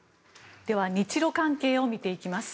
では日ロ関係を見ていきます。